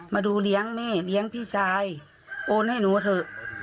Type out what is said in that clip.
มาดูเลี้ยงแม่เลี้ยงพี่ชายโอนให้หนูเถอะ